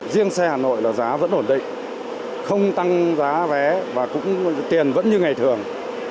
riêng xe hà nội là giá vẫn ổn định không tăng giá vé và cũng tiền vẫn như ngày thường